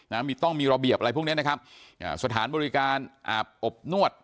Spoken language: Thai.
นะมีต้องมีระเบียบอะไรพวกเนี้ยนะครับอ่าสถานบริการอาบอบนวด